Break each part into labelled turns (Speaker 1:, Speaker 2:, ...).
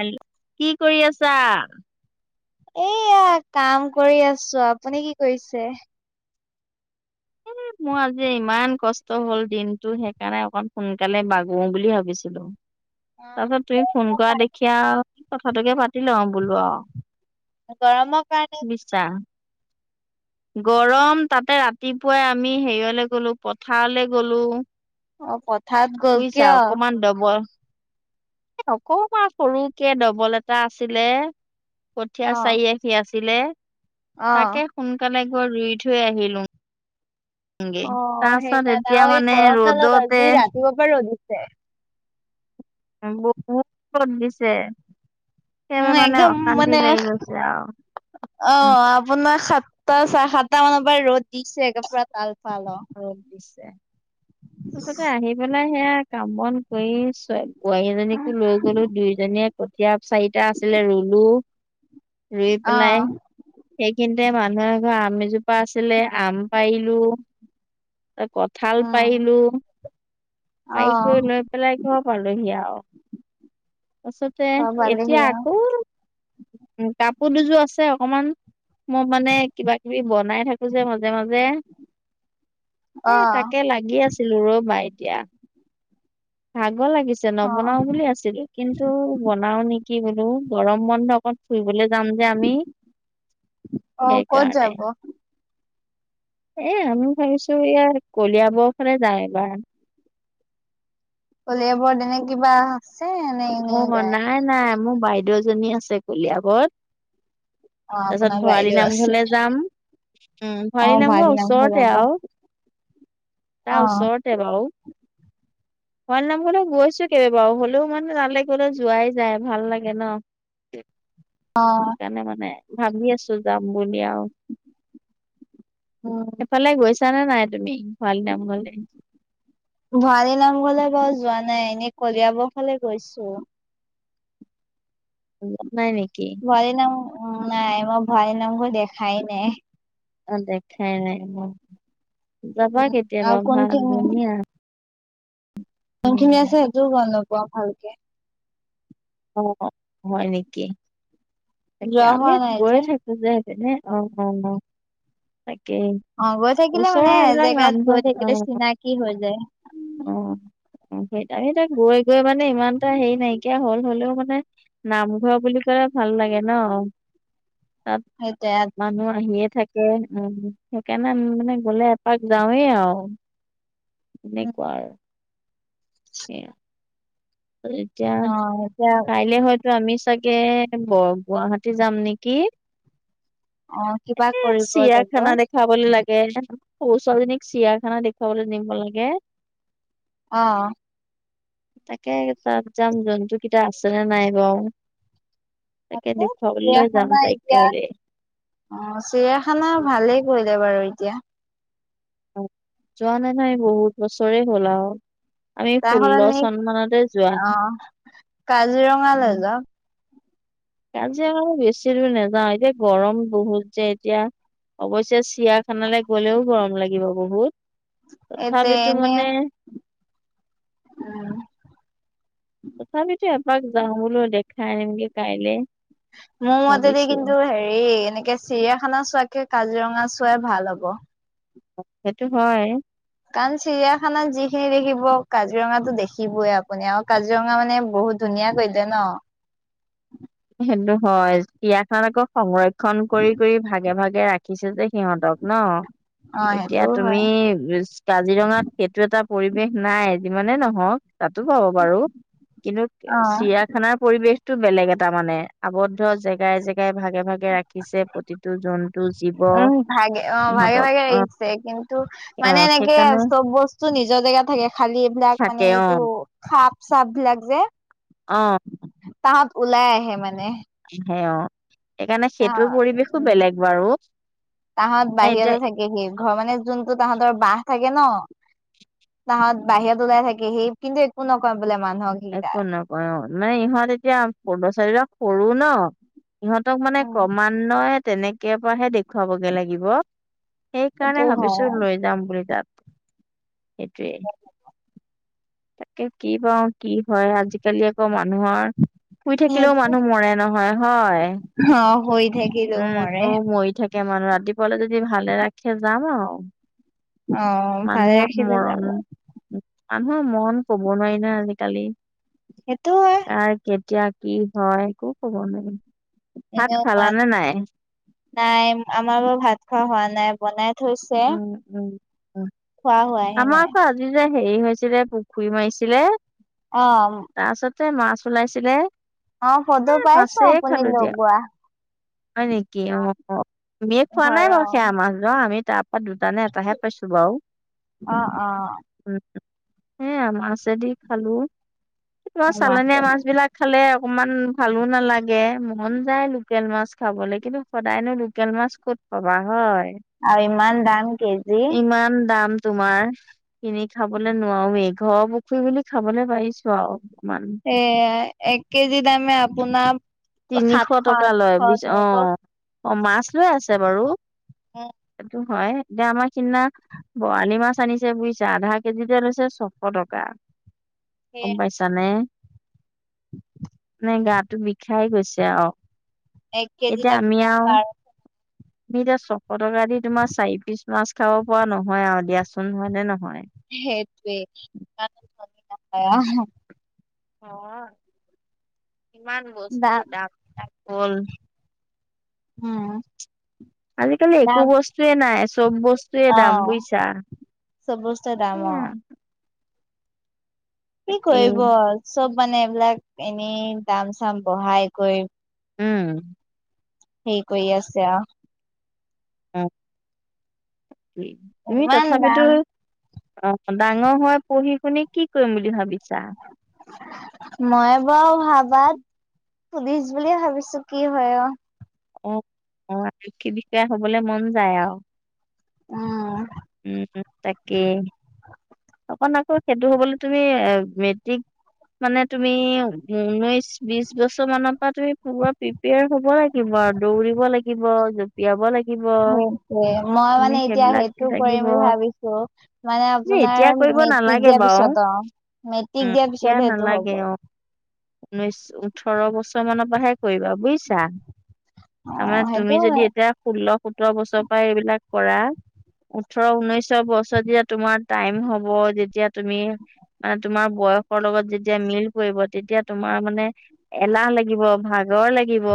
Speaker 1: Hello কি কৰি আছা?
Speaker 2: এয়া কাম কৰি আছোঁ আপুনি কি কৰিছে?
Speaker 1: এ, মো আজি ইমান কষ্ট হ'ল দিনটো সেইকাৰণে অকন সোনকালে বাগও বুলি ভাবিছিলোঁ।
Speaker 2: অ',
Speaker 1: তাপিছত তুমি ফোন কআ দেখি আও কথাটোকে পাতি লওঁ বোলো আও।
Speaker 2: গৰম কাৰণে
Speaker 1: বিচ্চা গৰম তাতে ৰাতিপুৱাই আমি হেইয়লে গ'লো পথাৰলে গ'লোঁ।
Speaker 2: অ', পথাৰত গ'ল কিয়?
Speaker 1: বুইছা অকমান দব এ, অকমান সৰুকে ডবল এটা আছিলে কঠীয়া
Speaker 2: অ',
Speaker 1: চাৰি আশ শী আছিলে
Speaker 2: অ',
Speaker 1: তাকে সোনকালে গৈ ৰুই থৈ আহিলোং।
Speaker 2: অ',
Speaker 1: পাছত
Speaker 2: সেইকাৰণে
Speaker 1: এতিয়া
Speaker 2: আও এই
Speaker 1: মানে
Speaker 2: গৰম ডালত
Speaker 1: ৰ'দতে
Speaker 2: আজি ৰাতিপুৱা পা ৰ'দ দিছে।
Speaker 1: এ, বহুত [unintelligible] দিছে কেবাএ
Speaker 2: উম,
Speaker 1: মানে
Speaker 2: একদম
Speaker 1: অশান্তি
Speaker 2: মানে
Speaker 1: লাই গছে আও।
Speaker 2: অ', অ', আপোনা সাতটা চাৰে সাতটা মান পা ৰ'দ দিছে [unintelligible] পুৰা তাল ফাল অ'।
Speaker 1: ৰ'দ দিছে তাছতে আহি পেলাই সেয়া কাম বন কৰি ছোৱা বোৱাৰী এজনীকো লৈ গ'লো দুইজনীয়ে ক ঠীয়া চাৰিটা আছিলে ৰুলো ৰুই
Speaker 2: অ',
Speaker 1: পেলাই সেইখিনতে মানুহ এঘ অ আম এজোপা আছিলে আম পাৰিলোঁ। ত' কঠাল
Speaker 2: উম,
Speaker 1: পাৰিলোঁ পাই
Speaker 2: অ',
Speaker 1: কৰি লৈপ পেলাই ঘৰ পালোহি আও তাছতে
Speaker 2: ঘৰ পালেহি
Speaker 1: এতিয়া
Speaker 2: আৰু
Speaker 1: আকৌ উ কাপো দুযো আছে অকমান ম মানে কিবা কিবি বনাই থাকোঁ যে মাজে মাজে। এ,
Speaker 2: অ'।
Speaker 1: তাকে লাগি আছিলোঁ ৰ'বা এতিয়া ভাগ লাগিছে
Speaker 2: অ',
Speaker 1: নবনাওঁ বুলি আছিলোঁ কিন্তু বনাওঁ নিকি বোলো গৰম বন্ধ অকন ফুৰিবলে যাম যে আমি
Speaker 2: অ', ক'ত
Speaker 1: সেইকাৰণে
Speaker 2: যাব?
Speaker 1: এ, আমি ভাবিছোঁ ইয়াৰ কলিয়াব্ ফালে যাই এইবাৰ।
Speaker 2: কলিয়াবৰত এনে কিবা আছে নে
Speaker 1: অ
Speaker 2: এনে যায়?
Speaker 1: নাই নাই মো বাইদেউ এজনী আছে কলিয়াবত।
Speaker 2: অ',
Speaker 1: তাছত
Speaker 2: আপোনাৰ
Speaker 1: ভৰালী
Speaker 2: বাইদেউ আছে,
Speaker 1: নামঘলে যাম উম ভৰালী
Speaker 2: অ',
Speaker 1: নামঘঅ
Speaker 2: ভাইটিৰ নামঘৰ
Speaker 1: ওচৰতে
Speaker 2: যাব।
Speaker 1: আও। তা
Speaker 2: অ',
Speaker 1: ওচৰত তে বাও ভৰালী নামঘৰলে গৈছোঁ কেইবেবাও হ'লেও মান তালে গ'লে যোৱাই যায় ভাল লাগে ন
Speaker 2: অ'।
Speaker 1: সেকাণে মানে ভাবি আছোঁ যাম বুলি আও।
Speaker 2: উম।
Speaker 1: সেফালে গৈছানে নাই তুমি ভৰালী নামঘৰলে?
Speaker 2: ভৰালী নামঘৰলে বাও যোৱা নাই এনেই কলিয়াব্ ফালে গৈছোঁ।
Speaker 1: [unintelligible] নাই নিকি?
Speaker 2: [unintelligible] নাম উম নাই ম ভৰালী নামঘৰ দেখাই নাই।
Speaker 1: অ', দেখাই নাই ন যাবা
Speaker 2: উম, আৰু
Speaker 1: কেতিয়াবা ভাল,
Speaker 2: কোনখিনি
Speaker 1: ধুনীয়া।
Speaker 2: কোনখিনি
Speaker 1: উম
Speaker 2: আছে সেইটোও গ'ম নেপাওঁ ভালকে।
Speaker 1: অ', হয় নেকি? তাকে
Speaker 2: যোৱা
Speaker 1: আমি
Speaker 2: হোৱা নাই যে।
Speaker 1: গৈয়ে থাকোঁ যে সেপিনে অ', অ', [unintelligible] তাকেই।
Speaker 2: অ', গৈ থাকিলে মানে
Speaker 1: ওচৰৰ এইবিলাক
Speaker 2: এজেগাত
Speaker 1: নামঘৰ
Speaker 2: গৈ
Speaker 1: অ
Speaker 2: থাকিলে চিনাকি হৈ যায়।
Speaker 1: অ'। অ', সেইটো আমি তাত গৈ গৈ মানে ইমান এটা হেৰি নাইকিয়া হ'ল, হ'লেও মানে নামঘৰ বুলি কলে ভাল লাগে ন' তাত
Speaker 2: সেইটোৱে।
Speaker 1: মানুহ আহিয়ে থাকে উম, সেইকাৰণে আমি মানে গলে এপাক যাওঁৱে আৰু। তেনেকুৱা আৰু। সেইয়া, এতিয়া
Speaker 2: অ', এতিয়া
Speaker 1: কাইলে হই য়টো আমি চাগে বৰ গুৱাহাটী যাম নেকি।
Speaker 2: অ', কিবা
Speaker 1: এ
Speaker 2: কৰিব যাব।
Speaker 1: চিৰিয়াখানা দেখ খাবলৈ লাগে সৰু ছালজনীক চিৰিয়াখানা দেখুৱাবলৈ নিব লাগে।
Speaker 2: অ'।
Speaker 1: তাকে তাত যাম জন্তু কেইটা আছে নে নাই বাৰু। তাকে
Speaker 2: এই
Speaker 1: দেখুৱাবলৈ লৈ
Speaker 2: চিৰিয়াখানা
Speaker 1: যাম তাইক
Speaker 2: এতিয়া
Speaker 1: কাইলে।
Speaker 2: অ', চিৰিয়াখানা ভালেই কৰিলে বাৰু এতিয়া।
Speaker 1: যোৱা নাই নহয় বহুত বছৰে হ'ল আৰু। আমি
Speaker 2: তাৰ
Speaker 1: ষোল্ল
Speaker 2: সলনি
Speaker 1: চন মানতে যোৱা,
Speaker 2: অ', কাজিৰঙালৈ
Speaker 1: উম।
Speaker 2: যাওঁক।
Speaker 1: কাজিৰঙা বেছি দুৰ নাযাওঁ এতিয়া গৰম বহুত যে এতিয়া। অবশ্যে চিৰিয়াখানালৈ গ'লেও গৰম লাগিব বহুত,
Speaker 2: এতে
Speaker 1: তথাপিতো
Speaker 2: এনে
Speaker 1: মানে,
Speaker 2: উম।
Speaker 1: তথাপিতো এপাক যাওঁ বোলো দেখাই আনিমগে কাইলে।
Speaker 2: মোৰ মতেদি
Speaker 1: ভাবিছো
Speaker 2: কিন্তু হেৰি এনেকে, চিৰিয়াখানা চোৱাতকে কাজিৰঙা চোৱাই ভাল হ'ব।
Speaker 1: সেইটো হয়।
Speaker 2: কাৰণ চিৰিয়াখানাত যিখিনি দেখিব কাজিৰঙাতো দেখিবে আপুনি আৰু কাজিৰঙা মানে বহুত ধুনীয়া কৰি দিলে ন'।
Speaker 1: সেইটো হয়, চিৰিয়াখানাত আকৌ সংৰক্ষন কৰি কৰি ভাগে ভাগে ৰাখি ৰাখিছে যে, সিহঁতক
Speaker 2: অ
Speaker 1: ন' এতিয়া
Speaker 2: সেইটোও
Speaker 1: তুমি
Speaker 2: হয়
Speaker 1: কাজিৰঙাত। সেইটো এটা পৰিৱেশ নাই যিমানে নহওক। তাতো পাব বাৰু কিন্তু
Speaker 2: অ
Speaker 1: চিৰিয়াখানাৰ পৰিৱেশটো বেলেগ এটা তাৰ মানে আৱদ্ধ জেগাই জেগাই ভাগে ভাগে ৰাখিছে প্ৰতিটো জন
Speaker 2: উম', ভাগে অ ভাগে ভাগে
Speaker 1: অ
Speaker 2: আহিছে। কিন্তু,
Speaker 1: অ
Speaker 2: মানে এনেকে
Speaker 1: সেইকাৰণে
Speaker 2: চব বস্তু নিজৰ জেগাত থাকে। খালী এইবিলাক মানে
Speaker 1: থাকে অ
Speaker 2: এইটো, সাপ চাপ বিলাগ যে।
Speaker 1: অ',
Speaker 2: তাহত ওলাই আহে মানে।
Speaker 1: সে অ, সেইকাৰণে
Speaker 2: অ
Speaker 1: সেইটোৰ পৰিৱেশো
Speaker 2: উম
Speaker 1: বেলেগ বাৰু মে এতিয়া,
Speaker 2: এই সে ঘৰ মানে যোনটো তাহাঁতৰ বাহ থাকে ন, তাহত বাহিৰত ওলাই থাকে। সেই কিন্তু একো নকয় বোলে মানুহক, সেইকেইটা।
Speaker 1: একো নকয় অ, মানে ইহঁত এতিয়া লৰা ছোৱালী বিলাক সৰু ন। ইহঁতক মানে ক্ৰমানয়ে তেনেকে পৰাহে দেখুৱাবগে লাগিব। সেইকাৰণে
Speaker 2: সেইটো
Speaker 1: ভাবিছো
Speaker 2: হয়।
Speaker 1: লৈ যাম বুলি তাত সেইটোৱে, তাকে কি পাওঁ কি হয়। আজিকালি আকৌ মানুহৰ, শুই থাকিলেও মানুহ মৰে নহয় হয়।
Speaker 2: অ', হৈ থাক।
Speaker 1: উম মৰি থাকে। মানুহ ৰাতিপুৱালে যদি ভালে ৰাখে যাম আৰু,
Speaker 2: অ ভালে
Speaker 1: মানুহৰ
Speaker 2: ৰাখিলে যাব
Speaker 1: মৰণ, আনৰ মন কব নোৱাৰি ন আজিকালি।
Speaker 2: সেইটো হয়।
Speaker 1: কাৰ কেতিয়া কি হয় একো কব নোৱাৰি। ভাত
Speaker 2: এনেও মান
Speaker 1: খালানে নাই
Speaker 2: নাই আমাৰ বাৰু ভাত খোৱা হোৱা নাই বনাই থৈছে
Speaker 1: উম, উম, উম
Speaker 2: খোৱা হোৱাহে
Speaker 1: আমাৰ
Speaker 2: নাই
Speaker 1: তাত যিযে হেৰি হৈছিলে পুখুৰী মাৰিছিলে।
Speaker 2: অ',
Speaker 1: তাৰছতে মাছ ওলাইছিলে।
Speaker 2: অ' ফট
Speaker 1: এ
Speaker 2: পাইছো
Speaker 1: মাছেই
Speaker 2: আপুনি
Speaker 1: খালো দিয়া
Speaker 2: লগোৱা।
Speaker 1: হয় নেকি অ' মেষ খোৱা নাই
Speaker 2: ঘৰৰ
Speaker 1: বাৰু সেয়া মাছ ধোৱা আমি তাৰ তাত দুটানে, এটাহে পাইছো বাৰু।
Speaker 2: অ অ
Speaker 1: উম, সেয়া মাছেদি খালো তোমাৰ
Speaker 2: মাছে
Speaker 1: চালনীয়া মাছ বিলাক খালে অকণমান ভালো নালাগে মন যায় লোকেল মাছ খাবলৈ কিন্তু, সদায়নো লোকেল মাছ ক'ত কবা হয়।
Speaker 2: আৰু ইমান দাম কেজি
Speaker 1: ইমান দাম তোমাৰ। কিনি খাবলৈ নোৱাৰোই ঘৰৰ পুখুৰী বুলি খাবলৈ পাৰিছো আৰু অকমান।
Speaker 2: এয়াই এক কেজি দামে আপোনাৰ
Speaker 1: তিনিশ
Speaker 2: সাতশ
Speaker 1: টকা লয়
Speaker 2: আঠশ
Speaker 1: বুইছ
Speaker 2: তেনেকুৱা
Speaker 1: অ' অ' মাছ লৈ আছে বাৰু।
Speaker 2: অ',
Speaker 1: সেইটো হয় এতিয়া আমাৰ সিদিনা বৰালি মাছ আনিছে বুজিছা আধা কেজিতে লৈছে ছশ টকা।
Speaker 2: সেয়ে
Speaker 1: গম পাইছা নে, নে গাটো বিষ ষায় গৈছে আৰু
Speaker 2: এক কেজিত
Speaker 1: এতিয়া আমি
Speaker 2: আপোনাৰ
Speaker 1: আৰু
Speaker 2: [inaudible]
Speaker 1: তুমি এতিয়া ছশ টকা দি তোমাৰ চাৰি পিচ মাছ খাব পৰা নহয় আৰু দিয়াচোন নহয় নে নহয়।
Speaker 2: সেইটোৱেই কান ধ নপৰা। [unintelligible]
Speaker 1: অ', কিমান
Speaker 2: দাম
Speaker 1: বস্তুৰ দাম [unintelligible]
Speaker 2: উম,
Speaker 1: আজিকালি একো
Speaker 2: দাম
Speaker 1: বস্তুৱয়ে নাই। চব বস্তুৱয়ে
Speaker 2: অ
Speaker 1: দাম বুইছা।
Speaker 2: চব বস্তুৱে দাম অ' কি
Speaker 1: তাকে
Speaker 2: কৰিব চব মানে এইবিলাক এনেই দাম চাম বঢ়াই কৈ -
Speaker 1: উম,
Speaker 2: হেই কৰি আছে আৰু।
Speaker 1: অ' ই
Speaker 2: ইমান
Speaker 1: তথাপিতো
Speaker 2: দাম
Speaker 1: অ' ডাঙৰ হয় পঢ়ি শুনি কি কৰিম বুলি ভাবিছা?
Speaker 2: মই বাৰু ভাবাত পুলিচ বুলিয়ে ভাবিছো কি হয় আৰু।
Speaker 1: অ'অ' আৰক্ষী বিদ্যা হ'বলে মন যায় আৰু।
Speaker 2: অ',
Speaker 1: উম, তাকে। অকণ আকৌ সেইটো হবলৈ তুমি অ' মেট্ৰিক মানে তুমি উনৈশ, বিশ বছৰ মানৰ পৰা তুমি পি প্ৰিপিয়াৰ হ'ব লাগিব আৰু দৌৰিব লাগিব। পিয়াব লাগিব,
Speaker 2: সেইটোৱে মই
Speaker 1: তুমি
Speaker 2: মানে এতিয়া
Speaker 1: সেইবিলাক
Speaker 2: সেইটো কৰিম
Speaker 1: লাগিব,
Speaker 2: বুলি ভাবিছো মানে
Speaker 1: তুমি
Speaker 2: আপোনাৰ
Speaker 1: এতিয়া কৰিব
Speaker 2: মেট্ৰিক
Speaker 1: নালাগে
Speaker 2: দিয়াৰ
Speaker 1: বাও,
Speaker 2: পিছত অ মেট্ৰিক
Speaker 1: উম,
Speaker 2: দিয়াৰ পিছত
Speaker 1: দিয়া
Speaker 2: সেইটো হ'ব
Speaker 1: নালাগে, অ। উনৈশ, ওঠৰ বছৰ মানৰ পৰাহে কৰিবা বুইছা! তাৰমানে
Speaker 2: সেইটো
Speaker 1: তুমি
Speaker 2: হয়
Speaker 1: যদি এতিয়া ষোল্ল-সোতৰ বছৰ পৰাই এইবিলাক কৰা, ওঠৰ-উনৈশৰ বছৰ যেতিয়া তোমাৰ টাইম হব ব যেতিয়া তুমি, মানে তোমাৰ বয়সৰ লগত যেতিয়া মিল পৰিব, তেতিয়া তোমাৰ মানে এলাহ লাগিব, ভাগৰ লাগিব,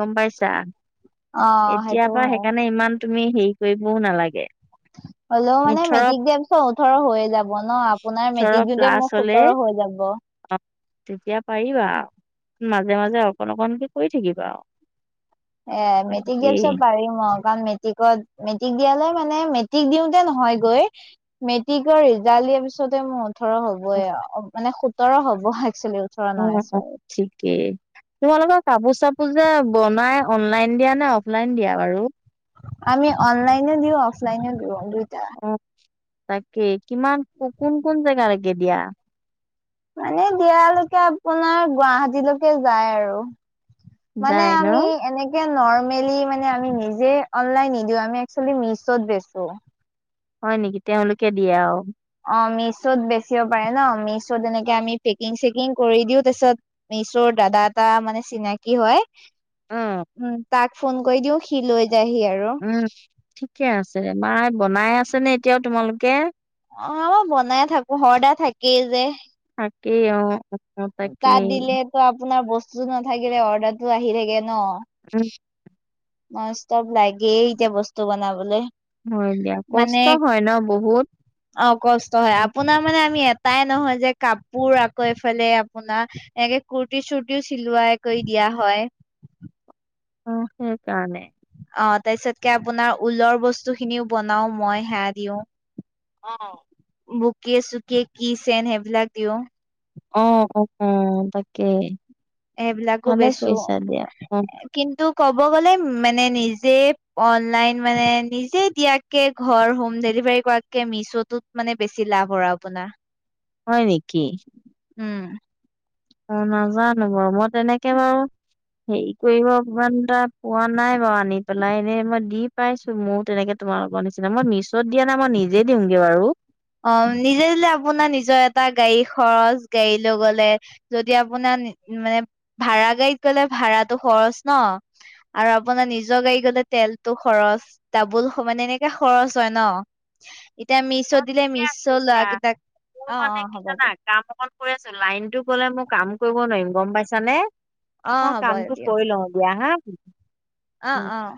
Speaker 1: গম পাইছা।
Speaker 2: অ সেইটো
Speaker 1: এতিয়াৰ পৰাা
Speaker 2: হয়
Speaker 1: হেইকাৰণে ইমান তুমি হেৰি কৰিবও নালাগে।
Speaker 2: হ'লেও মানে
Speaker 1: ওঠৰ
Speaker 2: মেট্ৰিক দিয়াৰ পিছত ওঠৰ হৈয়ে যাব ব ন! আপোনাৰ
Speaker 1: ওঠৰ
Speaker 2: মেট্ৰিক দিওতে
Speaker 1: প্লাছ
Speaker 2: মোৰ
Speaker 1: হলে
Speaker 2: সোতৰ হৈ যাব।
Speaker 1: অ তেতিয়া পাৰিবা, মাজে-মাজে অকণ-অকণকে কৰি থাকিবা আৰু।
Speaker 2: এ, মেট্ৰিক দিয়াৰ
Speaker 1: তাকেই
Speaker 2: পিছত পাৰিম, অ। কাৰণ মেট্ৰিকত, মেট্ৰিক দিয়ালে মানে, মেট্ৰিক দিওতে নহয়গৈ মেট্ৰিকৰ ৰিজাল্ট দিয়াৰ পিছতে মোৰ ওঠৰ হ'বই আও, মানে সোতৰ হ'ব একচলি।
Speaker 1: উম, উম, ঠিকেই। তোমালোকৰ কাপোৰ-চাপোৰ যে বনাই, অনলাইন দিয়া নে অফলাইন দিয়া বাৰু?
Speaker 2: আমি অনলাইন দিওঁ, অফলাইনো দিওঁ, দুইটা।
Speaker 1: উম, তাকে, কিমান কোন-কোন জেগালেকে দিয়া?
Speaker 2: মানে দিয়ালৈকে আপোনাৰ গুৱাহাটীলৈকে যায় আৰু। মানে
Speaker 1: যায় ন
Speaker 2: আমি এনেক কে নৰ্মেলি মানে আমি নিজে অনলাইন নিদিও, আমি একচলি মিছত বেচো।
Speaker 1: হয় নেকি, তেওঁলোকে দিয়ে আৰু।
Speaker 2: অ, মিচত বেচিব পাৰে ন! মিচত যেনেকে
Speaker 1: অ',
Speaker 2: আমি - পেকিং-চেকিং কৰি দিও, তাৰপিছত, মিচৰ দাদা এটা মানে চিনাক কি হয়!
Speaker 1: অ',
Speaker 2: উম, তাক ফোন কৰি দিও, সি লৈ যায়হি আৰু।
Speaker 1: উম, ঠিকে আছে। [unintelligible] বনাই আছে নে এতিয়াও তোমালোকে?
Speaker 2: অ, বনাই থাকো, অৰ্ডাৰ থাকেই যে।
Speaker 1: থাকেই, অ। অ',
Speaker 2: তাত
Speaker 1: তাকেই
Speaker 2: দিলে তো, আপোনাৰ বস্তু নাথাকিলে অৰ্ডাৰটো আহি থাকে ন।
Speaker 1: [inaudible]
Speaker 2: নন-ষ্টপ লাগেই এতিয়া বস্তু বনাবলৈ।
Speaker 1: হয় দিয়া,
Speaker 2: মানে
Speaker 1: কষ্ট হয় ন বহুত!
Speaker 2: অ, কষ্ট হয়। আপোনাৰ মানে আমি এটাই নহয় যে, কাপোৰ আকৌ এফালে আপোনাৰ এনেকে কুৰ্তি-চুৰ্তিও চিলুৱাই কৰি দিয়া হয়।
Speaker 1: অ, সেইকাৰণে।
Speaker 2: অ, তাৰছতকে আপোনাৰ ঊলৰ বস্তু খিনিও বনাও মই, সেয়া দিও।
Speaker 1: অ।
Speaker 2: বুকে-চুকে, কি চেন সেইবিলাক দিও
Speaker 1: অ, অ, অ, তাকেই,
Speaker 2: সেইবিলাকো
Speaker 1: ভালে
Speaker 2: বেচো
Speaker 1: কৰিছা দিয়া। অ।
Speaker 2: কিন্তু ক'ব গ'লে, মানে নিজে অনলাইন, মানে নিজে দিয়া কে ঘৰ হোম ডেলিভাৰী কৰাকে মিছটোত মানে বেছি লাভ হয় আপোনাৰ-।
Speaker 1: হয় নেকি!
Speaker 2: উম।
Speaker 1: অ, নাজানো বাৰু! মই তেনেকে বাৰু হেৰি কৰিব ইমানটা পোৱা নাই বাৰু আনি পেলাই এনেই মই দি পাইছো। মোৰো তেনেকে তোমা লোকৰ নিচিনা। মই মিছত দিয়া নাই মই নিজে দিওঁগে বাৰু।
Speaker 2: অঁ' নিজে নিজে আপোনাৰ নিজৰ এটা গাড়ী খৰচ গাড়ী লৈ গলে। যদি আপোনাৰ মানে ভাড়া গাড়ীত গলে ভাড়াটো খৰচ ন। আৰু আপোনাৰ নিজৰ গাড়ী গলে তেলটো খৰচ। দাবোল হয় মানে এনেকা খৰচ হয় ন। এতিয়া আমি-
Speaker 1: অ
Speaker 2: দিলে
Speaker 1: ঠিকে আছে
Speaker 2: মিছৌ লোৱা
Speaker 1: দিয়া
Speaker 2: কেইটাক।
Speaker 1: মোৰ
Speaker 2: অঁ
Speaker 1: মানে
Speaker 2: অঁ
Speaker 1: কি
Speaker 2: হ'ব
Speaker 1: জানা
Speaker 2: দিয়া।
Speaker 1: কাম অকন কৰি আছো। লাইনটো গলে মোৰ কাম কৰিব নোৱাৰিম গম পাইছা নে?
Speaker 2: অ',
Speaker 1: মই
Speaker 2: হ'ব
Speaker 1: কামটো কৰি লওঁ দিয়া হাঁ।
Speaker 2: অঁ অঁ।